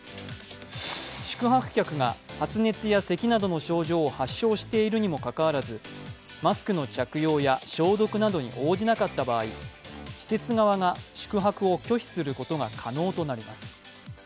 宿泊客が、発熱やせきなどの症状を発症しているにもかかわらずマスクの着用や消毒などに応じなかった場合、施設側が宿泊を拒否することが可能となります。